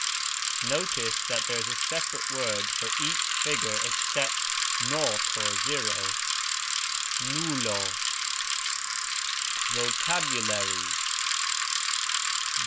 Notice that there is a separate word for each figure except 0, nulo. VOCABULARY.